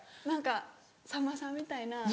何かさんまさんみたいな。